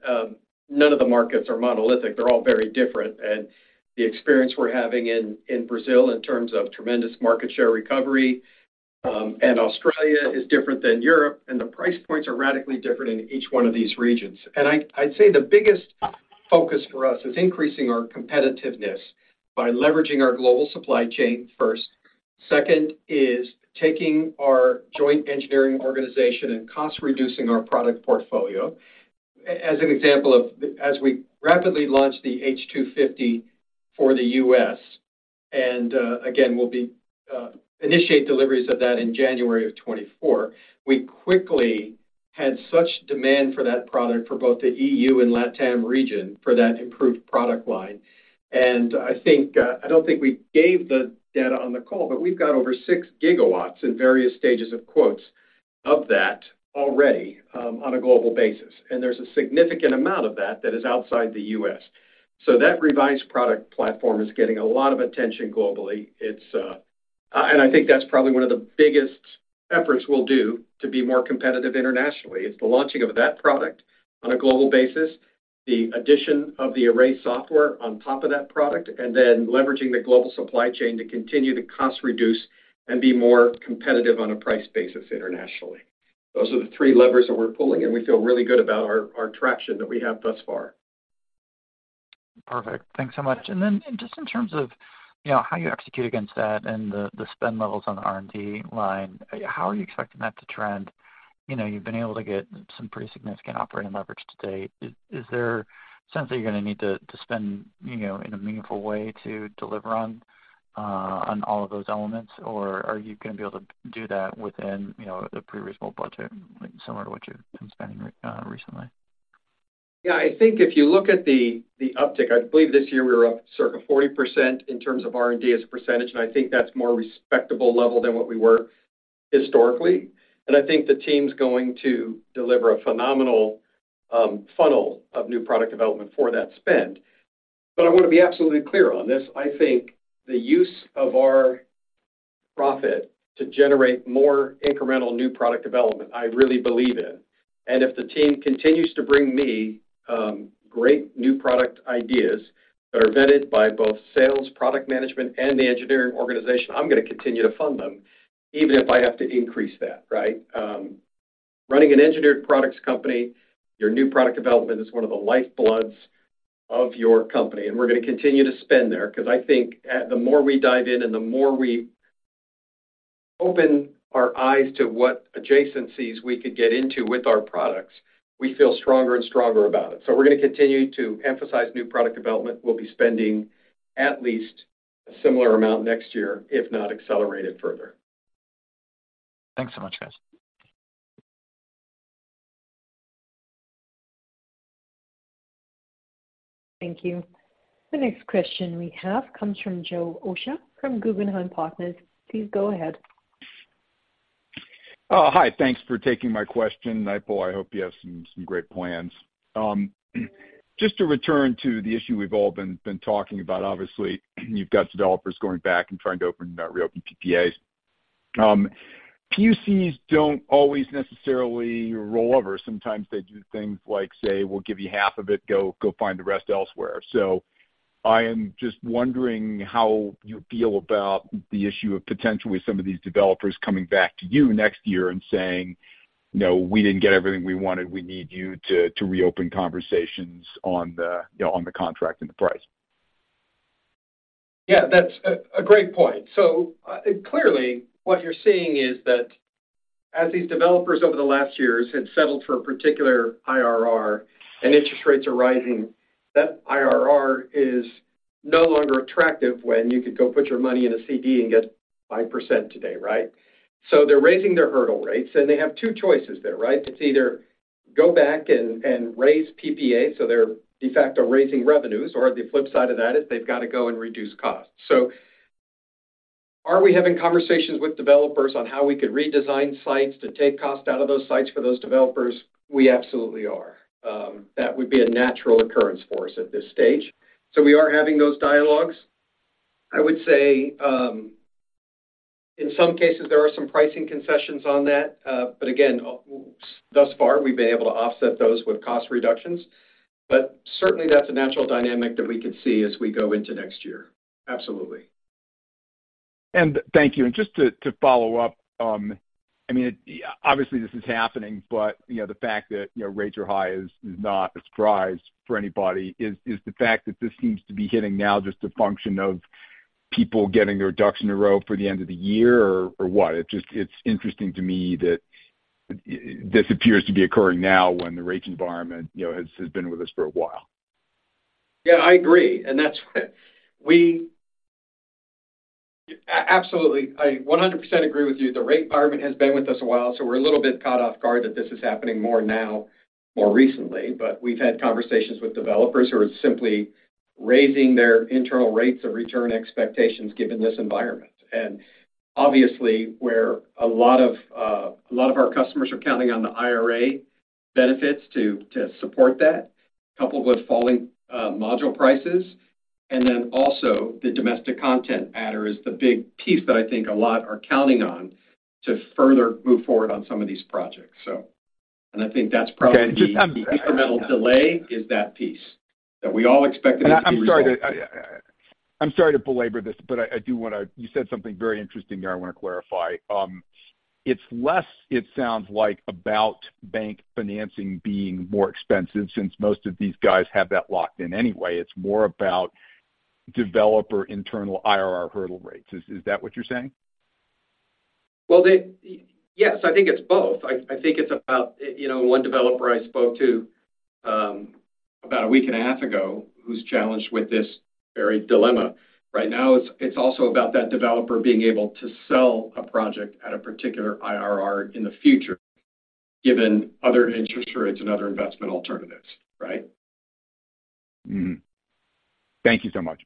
none of the markets are monolithic. They're all very different. And the experience we're having in Brazil in terms of tremendous market share recovery, and Australia is different than Europe, and the price points are radically different in each one of these regions. And I'd say the biggest focus for us is increasing our competitiveness by leveraging our global supply chain, first. Second, is taking our joint engineering organization and cost-reducing our product portfolio. As an example, as we rapidly launch the H250 for the U.S., and again, we'll initiate deliveries of that in January 2024. We quickly had such demand for that product for both the EU and LATAM region for that improved product line. And I think, I don't think we gave the data on the call, but we've got over 6 GW in various stages of quotes of that already, on a global basis, and there's a significant amount of that that is outside the US So that revised product platform is getting a lot of attention globally. It's. And I think that's probably one of the biggest efforts we'll do to be more competitive internationally. It's the launching of that product on a global basis, the addition of the array software on top of that product, and then leveraging the global supply chain to continue to cost reduce and be more competitive on a price basis internationally. Those are the three levers that we're pulling, and we feel really good about our, our traction that we have thus far. Perfect. Thanks so much. And then just in terms of, you know, how you execute against that and the spend levels on the R&D line, how are you expecting that to trend? You know, you've been able to get some pretty significant operating leverage to date. Is there something you're gonna need to spend, you know, in a meaningful way to deliver on all of those elements? Or are you gonna be able to do that within, you know, the pre-reasonable budget, similar to what you've been spending recently? Yeah, I think if you look at the, the uptick, I believe this year we were up circa 40% in terms of R&D as a percentage, and I think that's more respectable level than what we were historically. And I think the team's going to deliver a phenomenal funnel of new product development for that spend. But I want to be absolutely clear on this: I think the use of our profit to generate more incremental new product development, I really believe in. And if the team continues to bring me great new product ideas that are vetted by both sales, product management, and the engineering organization, I'm gonna continue to fund them, even if I have to increase that, right? Running an engineered products company, your new product development is one of the lifebloods of your company, and we're gonna continue to spend there because I think the more we dive in and the more we open our eyes to what adjacencies we could get into with our products, we feel stronger and stronger about it. So we're gonna continue to emphasize new product development. We'll be spending at least a similar amount next year, if not accelerated further. Thanks so much, guys. Thank you. The next question we have comes from Joe Osha from Guggenheim Partners. Please go ahead. Hi, thanks for taking my question, Nipul. I hope you have some great plans. Just to return to the issue we've all been talking about, obviously, you've got developers going back and trying to open, reopen PPAs. PUCs don't always necessarily roll over. Sometimes they do things like say, "We'll give you half of it, go find the rest elsewhere." So I am just wondering how you feel about the issue of potentially some of these developers coming back to you next year and saying, "No, we didn't get everything we wanted. We need you to reopen conversations on the, you know, on the contract and the price? Yeah, that's a great point. So, clearly, what you're seeing is that as these developers over the last years had settled for a particular IRR and interest rates are rising, that IRR is no longer attractive when you could go put your money in a CD and get 5% today, right? So they're raising their hurdle rates, and they have two choices there, right? It's either go back and raise PPA, so they're de facto raising revenues, or the flip side of that is they've got to go and reduce costs. So are we having conversations with developers on how we could redesign sites to take cost out of those sites for those developers? We absolutely are. That would be a natural occurrence for us at this stage. So we are having those dialogues. I would say, in some cases, there are some pricing concessions on that. But again, thus far, we've been able to offset those with cost reductions. But certainly, that's a natural dynamic that we can see as we go into next year. Absolutely. Thank you. Just to follow up, I mean, obviously, this is happening, but, you know, the fact that, you know, rates are high is not a surprise for anybody. Is the fact that this seems to be hitting now just a function of people getting their ducks in a row for the end of the year or what? It's interesting to me that this appears to be occurring now when the rate environment, you know, has been with us for a while. Yeah, I agree, and that's—absolutely, I 100% agree with you. The rate environment has been with us a while, so we're a little bit caught off guard that this is happening more now, more recently. But we've had conversations with developers who are simply raising their internal rates of return expectations given this environment. And obviously, where a lot of, a lot of our customers are counting on the IRA benefits to support that, coupled with falling module prices, and then also the domestic content matter is the big piece that I think a lot are counting on to further move forward on some of these projects, so. And I think that's probably- Okay, just-The incremental delay is that piece, that we all expected it to be resolved. I'm sorry to belabor this, but I do wanna—You said something very interesting there I wanna clarify. It's less, it sounds like, about bank financing being more expensive, since most of these guys have that locked in anyway. It's more about developer internal IRR hurdle rates. Is that what you're saying? Well, yes, I think it's both. I think it's about, you know, one developer I spoke to about a week and a half ago, who's challenged with this very dilemma. Right now, it's also about that developer being able to sell a project at a particular IRR in the future... given other interest rates and other investment alternatives, right? Mm-hmm. Thank you so much.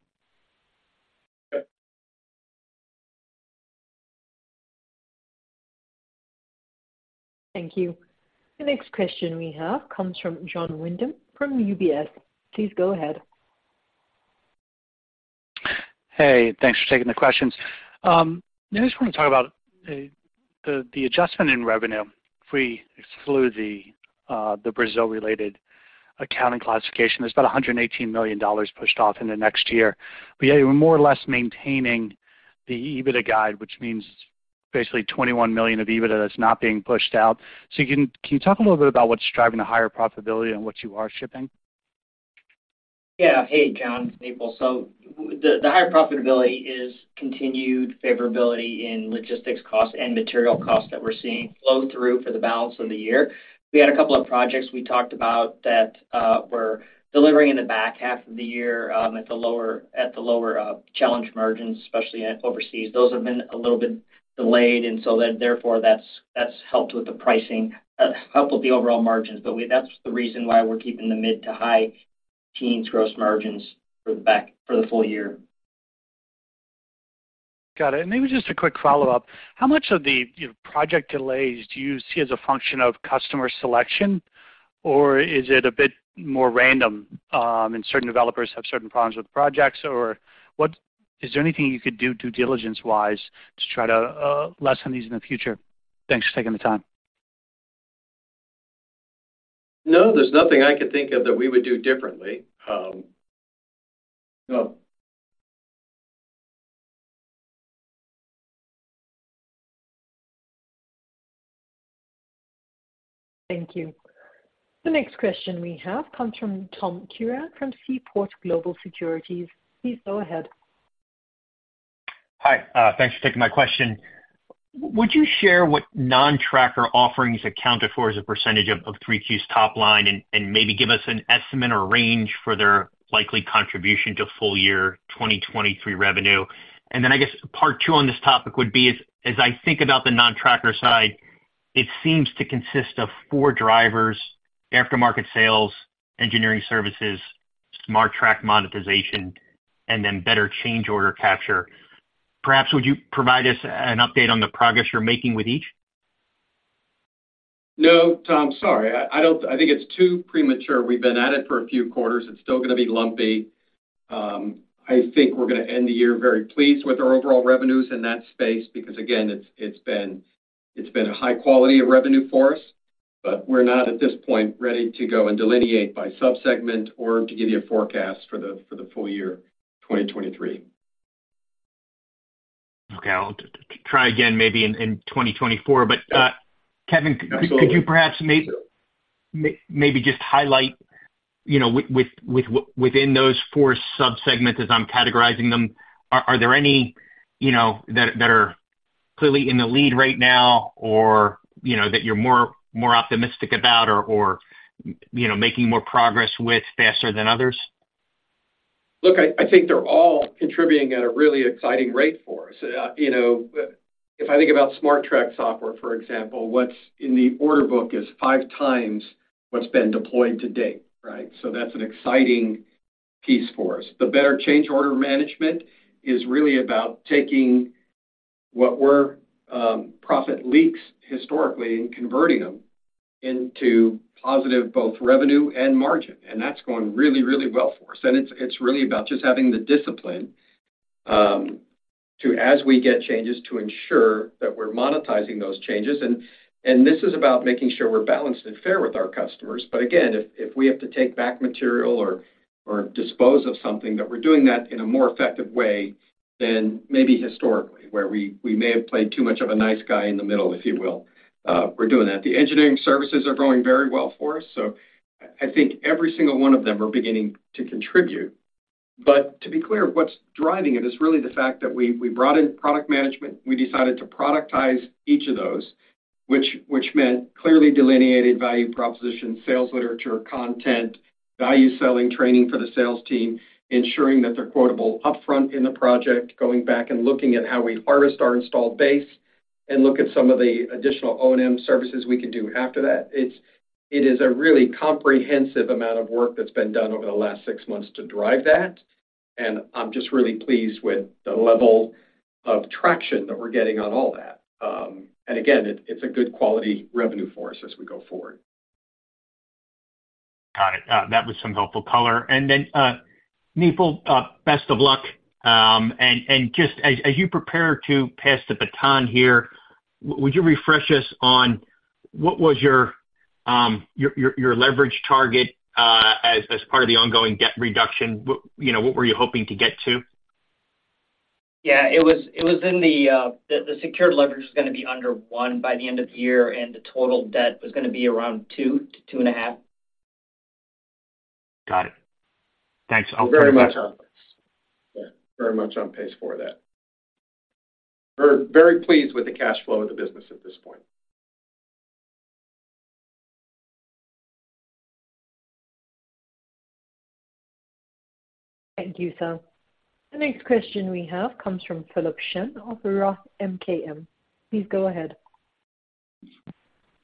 Okay. Thank you. The next question we have comes from Jon Windham from UBS. Please go ahead. Hey, thanks for taking the questions. I just want to talk about the adjustment in revenue. If we exclude the Brazil-related accounting classification, there's about $118 million pushed off into next year. But yet you're more or less maintaining the EBITDA guide, which means basically 21 million of EBITDA that's not being pushed out. So can you talk a little bit about what's driving the higher profitability and what you are shipping? Yeah. Hey, Jon, it's Nipul. So the higher profitability is continued favorability in logistics costs and material costs that we're seeing flow through for the balance of the year. We had a couple of projects we talked about that were delivering in the back half of the year at the lower challenged margins, especially in overseas. Those have been a little bit delayed, and so then therefore, that's helped with the pricing, helped with the overall margins. But that's the reason why we're keeping the mid- to high-teens gross margins for the full year. Got it. Maybe just a quick follow-up. How much of the, you know, project delays do you see as a function of customer selection, or is it a bit more random, and certain developers have certain problems with projects? Or is there anything you could do due diligence-wise to try to lessen these in the future? Thanks for taking the time. No, there's nothing I could think of that we would do differently. No. Thank you. The next question we have comes from Tom Curran from Seaport Global Securities. Please go ahead. Hi, thanks for taking my question. Would you share what non-tracker offerings accounted for as a percentage of 3Q's top line, and maybe give us an estimate or range for their likely contribution to full year 2023 revenue? And then I guess part two on this topic would be, as I think about the non-tracker side, it seems to consist of four drivers: aftermarket sales, engineering services, SmarTrack monetization, and then better change order capture. Perhaps, would you provide us an update on the progress you're making with each? No, Tom, sorry. I don't... I think it's too premature. We've been at it for a few quarters. It's still gonna be lumpy. I think we're gonna end the year very pleased with our overall revenues in that space, because, again, it's been a high quality of revenue for us, but we're not, at this point, ready to go and delineate by sub-segment or to give you a forecast for the full year 2023. Okay, I'll try again, maybe in 2024. But, Kevin, could you perhaps maybe just highlight, you know, with within those four subsegments, as I'm categorizing them, are there any, you know, that are clearly in the lead right now, or, you know, that you're more optimistic about or, you know, making more progress with faster than others? Look, I think they're all contributing at a really exciting rate for us. You know, if I think about SmarTrack software, for example, what's in the order book is five times what's been deployed to date, right? So that's an exciting piece for us. The better change order management is really about taking what were profit leaks historically and converting them into positive, both revenue and margin, and that's going really, really well for us. And this is about making sure we're balanced and fair with our customers. But again, if we have to take back material or dispose of something, that we're doing that in a more effective way than maybe historically, where we may have played too much of a nice guy in the middle, if you will. We're doing that. The engineering services are going very well for us, so I think every single one of them are beginning to contribute. But to be clear, what's driving it is really the fact that we brought in product management. We decided to productize each of those, which meant clearly delineated value proposition, sales literature, content, value selling training for the sales team, ensuring that they're quotable upfront in the project, going back and looking at how we harvest our installed base and look at some of the additional O&M services we could do after that. It is a really comprehensive amount of work that's been done over the last six months to drive that, and I'm just really pleased with the level of traction that we're getting on all that. And again, it, it's a good quality revenue for us as we go forward. Got it. That was some helpful color. And then, Nipul, best of luck. And just as you prepare to pass the baton here, would you refresh us on what was your leverage target, as part of the ongoing debt reduction? You know, what were you hoping to get to? Yeah, the secured leverage is gonna be under one by the end of the year, and the total debt was gonna be around two to two and a half. Got it. Thanks. I'll- *unintelligible* We're very much on pace. Yeah, very much on pace for that. We're very pleased with the cash flow of the business at this point.... Thank you, sir. The next question we have comes from Philip Shen of Roth MKM. Please go ahead.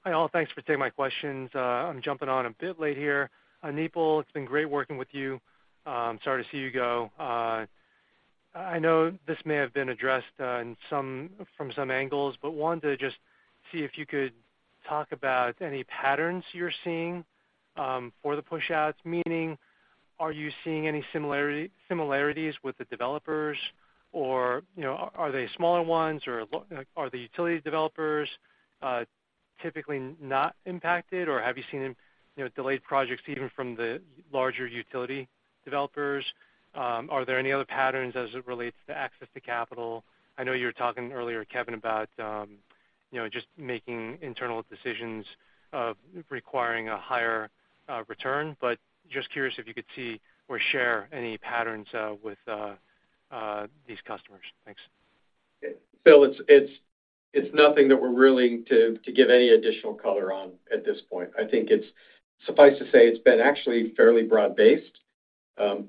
Hi, all. Thanks for taking my questions. I'm jumping on a bit late here. Nipul, it's been great working with you. Sorry to see you go. I know this may have been addressed from some angles, but wanted to just see if you could talk about any patterns you're seeing for the push-outs, meaning, are you seeing any similarity, similarities with the developers, or, you know, are they smaller ones, or Are the utility developers typically not impacted? Or have you seen, you know, delayed projects even from the larger utility developers? Are there any other patterns as it relates to access to capital? I know you were talking earlier, Kevin, about you know just making internal decisions of requiring a higher return, but just curious if you could see or share any patterns with these customers. Thanks. Phil, it's nothing that we're willing to give any additional color on at this point. I think it's suffice to say, it's been actually fairly broad-based.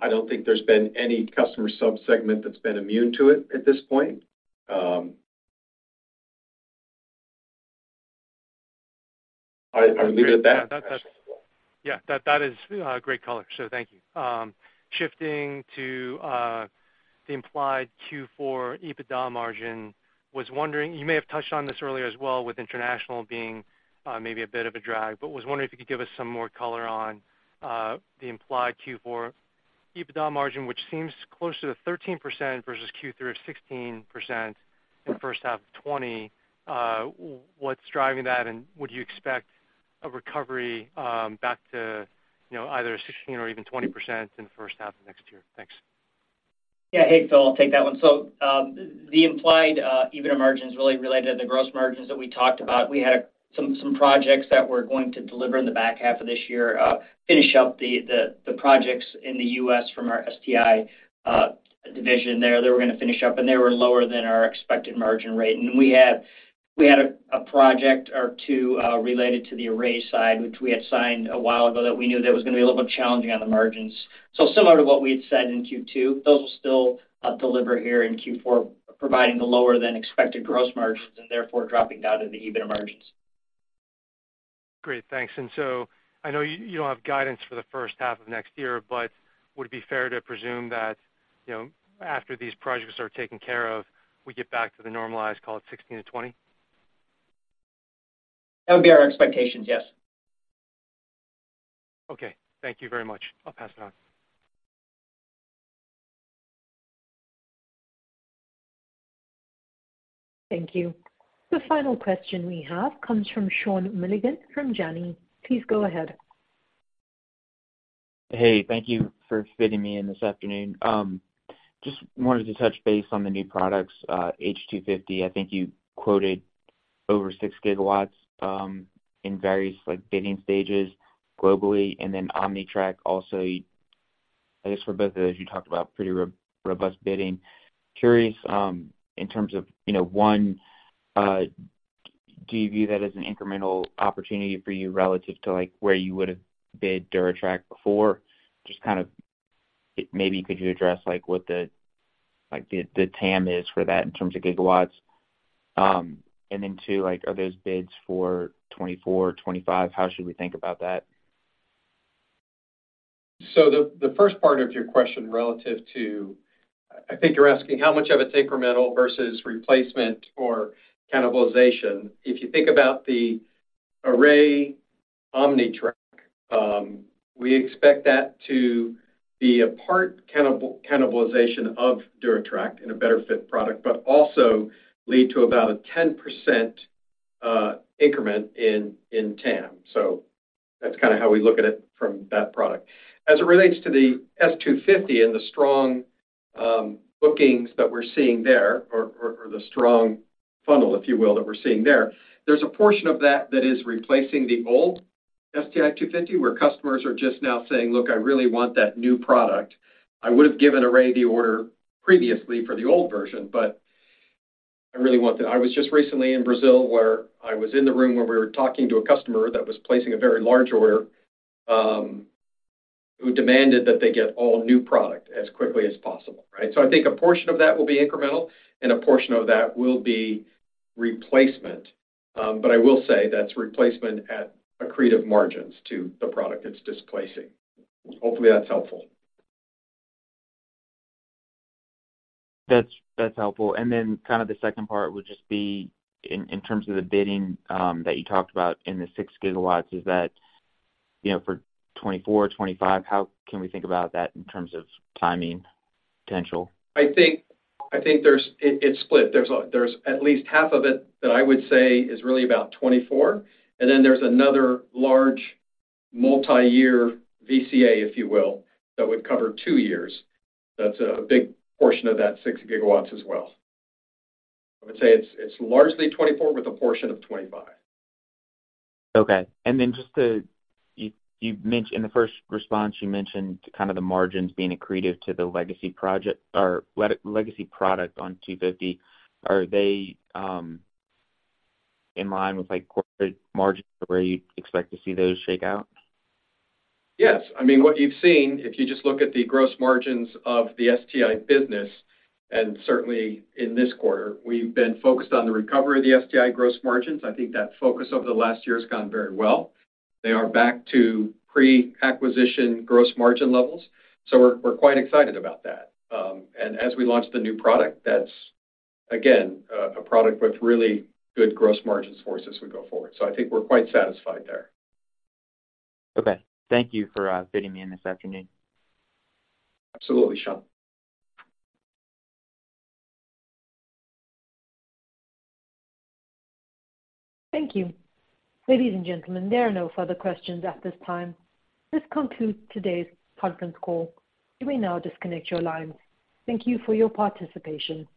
I don't think there's been any customer subsegment that's been immune to it at this point. I leave it at that. Yeah, that is great color. So thank you. Shifting to the implied Q4 EBITDA margin, was wondering... You may have touched on this earlier as well, with international being maybe a bit of a drag, but was wondering if you could give us some more color on the implied Q4 EBITDA margin, which seems closer to 13% versus Q3's 16% in the H1 of 2020. What's driving that, and would you expect a recovery back to, you know, either 16% or even 20% in the H1 of next year? Thanks. Yeah. Hey, Phil, I'll take that one. So, the implied EBITDA margin is really related to the gross margins that we talked about. We had some projects that we're going to deliver in the back half of this year, finish up the projects in the U.S. from our STI division there. They were going to finish up, and they were lower than our expected margin rate. And we had a project or two related to the Array side, which we had signed a while ago, that we knew that was going to be a little bit challenging on the margins. So similar to what we had said in Q2, those will still deliver here in Q4, providing the lower than expected gross margins and therefore dropping down to the EBITDA margins. Great, thanks. And so I know you don't have guidance for the H1 of next year, but would it be fair to presume that, you know, after these projects are taken care of, we get back to the normalized, call it 16-20? That would be our expectations, yes. Okay. Thank you very much. I'll pass it on. Thank you. The final question we have comes from Sean Milligan from Janney. Please go ahead. Hey, thank you for fitting me in this afternoon. Just wanted to touch base on the new products, H250. I think you quoted over 6 GW in various, like, bidding stages globally, and then OmniTrack also. I guess for both of those, you talked about pretty robust bidding. Curious, in terms of, you know, one, do you view that as an incremental opportunity for you relative to, like, where you would have bid DuraTrack before? Just kind of, maybe could you address, like, what the TAM is for that in terms of gigawatts. And then two, like, are those bids for 2024, 2025? How should we think about that? So the first part of your question relative to... I think you're asking how much of it's incremental versus replacement or cannibalization. If you think about the Array OmniTrack, we expect that to be a part cannibalization of DuraTrack in a better fit product, but also lead to about a 10% increment in TAM. So that's kind of how we look at it from that product. As it relates to the STI 250 and the strong bookings that we're seeing there, or the strong funnel, if you will, that we're seeing there, there's a portion of that that is replacing the old STI 250, where customers are just now saying, "Look, I really want that new product. I would have given Array the order previously for the old version, but I really want the- I was just recently in Brazil, where I was in the room, where we were talking to a customer that was placing a very large order, who demanded that they get all new product as quickly as possible, right? So I think a portion of that will be incremental, and a portion of that will be replacement. But I will say that's replacement at accretive margins to the product it's displacing. Hopefully, that's helpful. That's helpful. And then kind of the second part would just be in terms of the bidding that you talked about in the 6 GW, is that, you know, for 2024, 2025? How can we think about that in terms of timing potential? I think it's split. There's at least half of it that I would say is really about 2024, and then there's another large multiyear VCA, if you will, that would cover two years. That's a big portion of that 6 GW as well. I would say it's largely 2024, with a portion of 2025. Okay. And then just to... You mentioned, in the first response, you mentioned kind of the margins being accretive to the legacy product on 250. Are they in line with, like, quarter margins, where you'd expect to see those shake out? Yes. I mean, what you've seen, if you just look at the gross margins of the STI business, and certainly in this quarter, we've been focused on the recovery of the STI gross margins. I think that focus over the last year has gone very well. They are back to pre-acquisition gross margin levels, so we're quite excited about that. And as we launch the new product, that's, again, a product with really good gross margins for us as we go forward. So I think we're quite satisfied there. Okay. Thank you for fitting me in this afternoon. Absolutely, Sean. Thank you. Ladies and gentlemen, there are no further questions at this time. This concludes today's conference call. You may now disconnect your lines. Thank you for your participation.